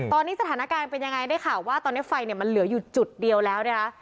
ตอนนี้สถานการณ์เป็นยังไงได้ข่าวว่าตอนนี้ไฟเนี่ยมันเหลืออยู่จุดเดียวแล้วนะคะ